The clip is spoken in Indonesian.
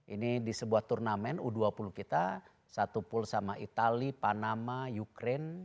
ini di sebuah turnamen u dua puluh kita satu pool sama itali panama ukraine